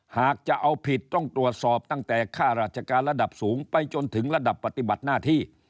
หากจะเอาผิดต้องตรวจสอบตั้งแต่ค่าราชการระดับสูงไปจนถึงระดับปฏิบัติหน้าที่